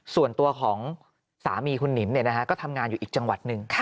ส่วนตัวของสามีคุณหนิมก็ทำงานอยู่อีกจังหวัดหนึ่ง